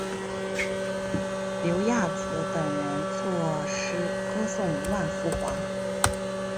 柳亚子等人作诗歌颂万福华。